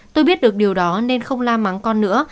tôi biết được điều đó nên không la mắng con nữa